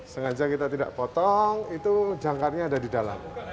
sengaja kita tidak potong itu jangkarnya ada di dalam